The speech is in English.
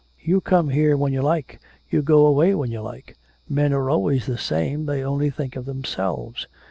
You come here when you like, you go away when you like.... Men are always the same, they only think of themselves.